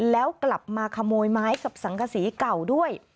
แล้วกลับมาขโมยไม้กับสังกษีเก่าด้วย